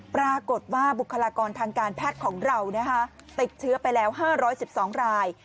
ปรากฏว่าบุคลากรทางการแพทย์ของเราติดเชื้อไปแล้ว๕๑๒ราย